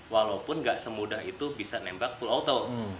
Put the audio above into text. walaupun gak semudah itu bisa nembak full auto